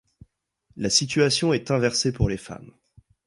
La situation est inversée pour les femmes.